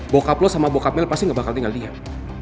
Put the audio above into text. bokap lo sama bokamil pasti gak bakal tinggal diam